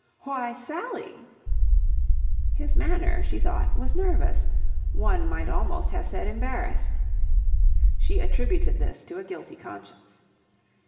"Why, Sally?" His manner, she thought, was nervous one might almost have said embarrassed. She attributed this to a guilty conscience.